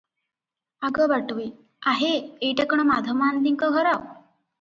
ଆଗ ବାଟୋଇ- ଆହେ! ଏଇଟା କଣ ମାଧ ମହାନ୍ତିଙ୍କ ଘର?